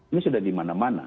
ini sudah di mana mana